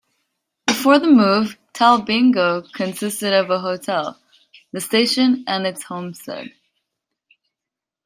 Before the move, Talbingo consisted of a hotel, the station and its homestead.